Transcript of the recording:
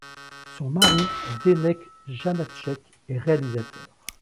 Son mari Zdeněk Janáček est réalisateur.